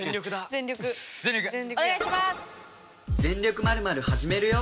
「全力○○始めるよ。